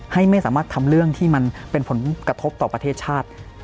ไม่สามารถทำเรื่องที่มันเป็นผลกระทบต่อประเทศชาติ